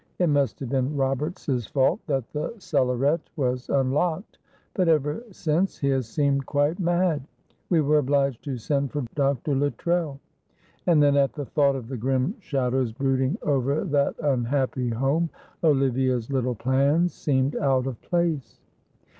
It must have been Roberts's fault that the cellarette was unlocked, but ever since he has seemed quite mad; we were obliged to send for Dr. Luttrell." And then at the thought of the grim shadows brooding over that unhappy home, Olivia's little plans seemed out of place.